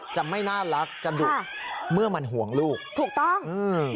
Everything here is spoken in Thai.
จะไม่น่ารักจะดุเมื่อมันห่วงลูกถูกต้องอืม